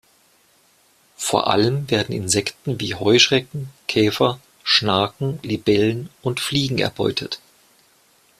Vor allem werden Insekten wie Heuschrecken, Käfer, Schnaken, Libellen und Fliegen erbeutet.